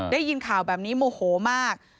ได้ยินข่าวแบบนี้โมโหมาก